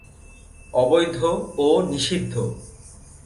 অবৈধ ও নিষিদ্ধ।